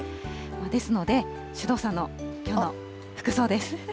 ですので、首藤さんのきょうの服装です。